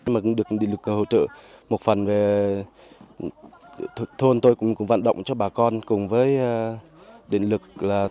mà cũng được điện lực hỗ trợ một phần về thôn tôi cũng vận động cho bà con cùng với điện lực